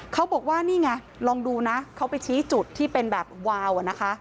เขาบอกว่านี่ไงลองดูนะเขาไปชี้จุดที่เป็นแบบวาวอะนะคะ